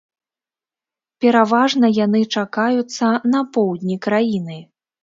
Пераважна яны чакаюцца на поўдні краіны.